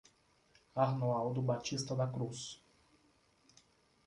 Arnoaldo Batista da Cruz